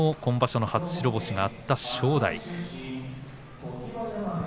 今場所の初白星があった正代。